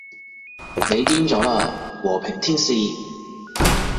你癲咗喇，和平天使